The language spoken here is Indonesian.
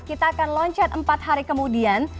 kita akan loncat empat hari kemudian